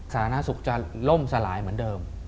สาธารณสุขจะล่มสลายเหมือนเดิม